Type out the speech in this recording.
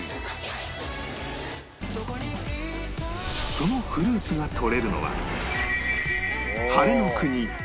そのフルーツがとれるのは